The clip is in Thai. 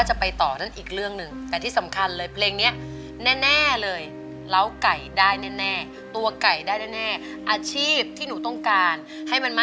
เชิญคุณยาให้กำลังใจน้องเตอร์ได้ค่ะ